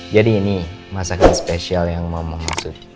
jadi ini masakan spesial yang mama maksud